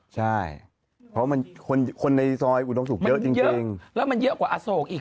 ใช่เพราะมันคนในซอยอุดมศุกร์เยอะจริงแล้วมันเยอะกว่าอโศกอีก